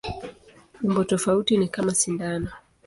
Umbo tofauti ni kama sindano.